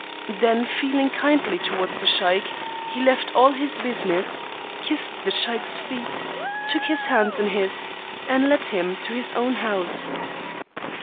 Then feeling kindly towards the Sheik, he left all his business, kissed the Sheik's feet, took his hand in his, and led him to his own house.